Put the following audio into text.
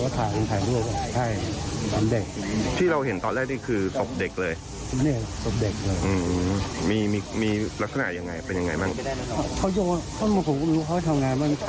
ครับคาดว่ามันอาจจะโยนข้างกำแพงด้วย